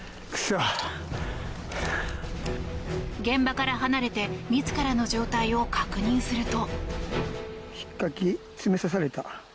現場から離れて自らの状態を確認すると。